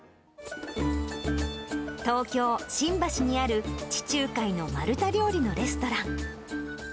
東京・新橋にある地中海のマルタ料理のレストラン。